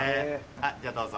じゃあどうぞ。